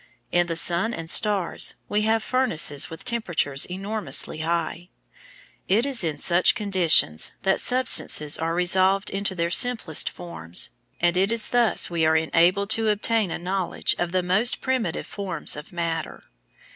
In the sun and stars we have furnaces with temperatures enormously high; it is in such conditions that substances are resolved into their simplest forms, and it is thus we are enabled to obtain a knowledge of the most primitive forms of matter.